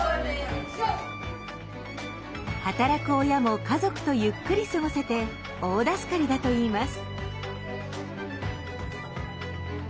働く親も家族とゆっくり過ごせて大助かりだといいます。